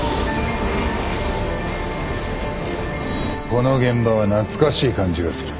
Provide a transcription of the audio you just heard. この現場は懐かしい感じがする